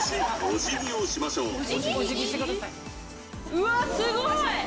うわすごい！